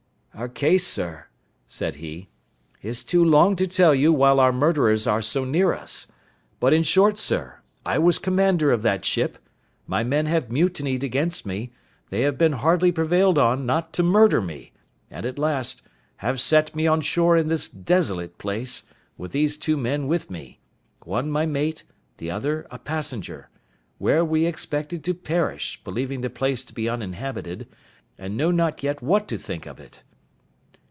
"Our case, sir," said he, "is too long to tell you while our murderers are so near us; but, in short, sir, I was commander of that ship—my men have mutinied against me; they have been hardly prevailed on not to murder me, and, at last, have set me on shore in this desolate place, with these two men with me—one my mate, the other a passenger—where we expected to perish, believing the place to be uninhabited, and know not yet what to think of it."